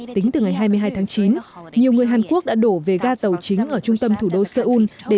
tính từ ngày hai mươi hai tháng chín nhiều người hàn quốc đã đổ về ga tàu chính ở trung tâm thủ đô seoul để